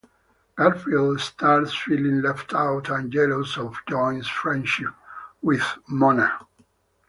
Garfield starts feeling left out and jealous of Jon's friendship with Mona.